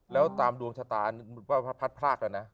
แล้วตามดวงชะตา